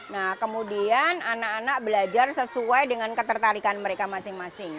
nah kemudian anak anak belajar sesuai dengan ketertarikan mereka masing masing